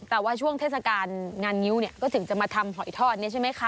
แต่ว่าช่วงเทศกาลงานงิ้วเนี่ยก็ถึงจะมาทำหอยทอดเนี่ยใช่ไหมคะ